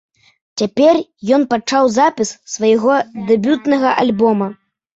Цяпер ён пачаў запіс свайго дэбютнага альбома.